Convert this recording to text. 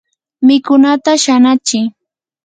mikunata shanachi.